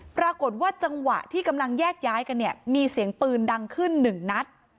ปรากฏว่าจังหวะที่กำลังแยกย้ายกันเนี่ยมีเสียงปืนดังขึ้นหนึ่งนัด